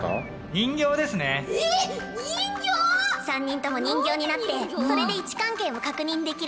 人形⁉３人とも人形になってそれで位置関係も確認できる。